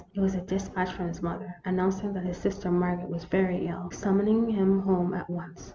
It was a despatch from his mother, announcing that his sister Margaret was very ill, summoning him home at once.